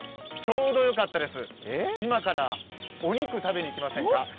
ちょうどよかったです、今からお肉食べに行きませんか？